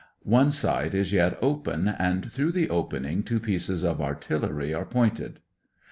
One side is yet open, and through the opening two pieces of artillery are pointed.